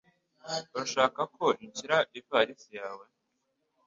Urashaka ko nshira ivalisi yawe?